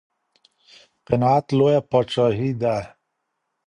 قناعت لويه پاچاهي ده.